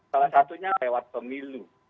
salah satunya lewat pemilu